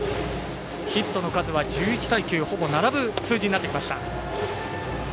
ヒットの数は１１対９ほぼ並ぶ数字になってきました。